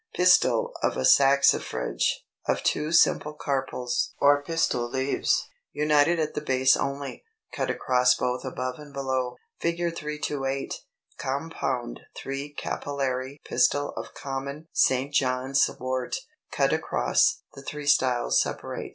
Pistil of a Saxifrage, of two simple carpels or pistil leaves, united at the base only, cut across both above and below.] [Illustration: Fig. 328. Compound 3 carpellary pistil of common St. John's wort, cut across: the three styles separate.